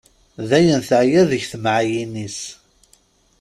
D ayen teɛya deg temɛayin-is.